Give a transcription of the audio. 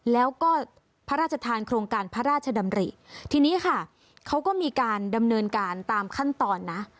แล้วก็พระราชทานโครงการพระราชดำริทีนี้ค่ะเขาก็มีการดำเนินการตามขั้นตอนนะ